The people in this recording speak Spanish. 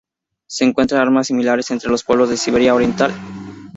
Se encuentran armas similares entre los pueblos de Siberia oriental.